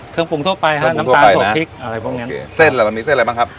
เครื่องปรุงทั่วไปฮะน้ำตาลตัวพริกอะไรพวกเนี้ยเส้นล่ะเรามีเส้นอะไรบ้างครับ